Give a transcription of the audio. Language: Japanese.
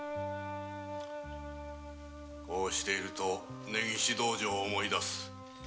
こうしていると根岸道場を思い出す。